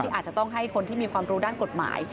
อาจจะต้องให้คนที่มีความรู้ด้านกฎหมาย